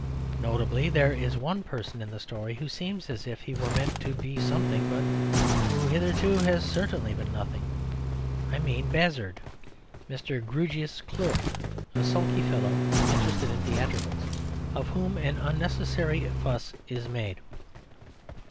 Notably there is one person in the story who seems as if he were meant to be something, but who hitherto has certainly been nothing; I mean Bazzard, Mr. Grewgious's clerk, a sulky fellow interested in theatricals, of whom an unnecessary fuss is made.